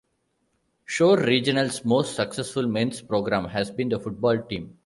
Shore Regional's most successful men's program has been the football team.